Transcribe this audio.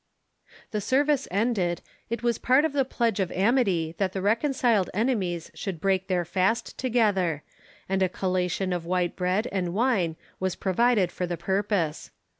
The service ended, it was part of the pledge of amity that the reconciled enemies should break their fast together, and a collation of white bread and wine was provided for the purpose.